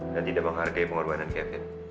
dan tidak menghargai pengorbanan kevin